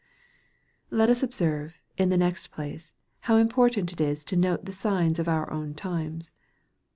Let us observe, in the next place, how important it is to note the signs of our own times.